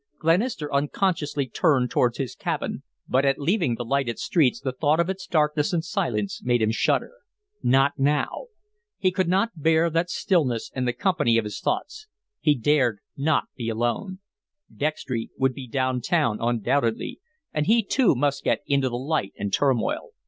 Glenister unconsciously turned towards his cabin, but at leaving the lighted streets the thought of its darkness and silence made him shudder. Not now! He could not bear that stillness and the company of his thoughts. He dared not be alone. Dextry would be down town, undoubtedly, and he, too, must get into the light and turmoil.